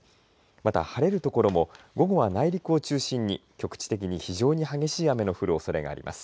また、晴れる所も午後は内陸を中心に局地的に非常に激しい雨の降るおそれがあります。